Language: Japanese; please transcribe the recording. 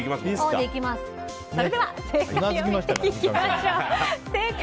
それでは正解見ていきましょう。